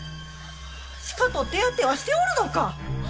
しかと手当てはしておるのか！？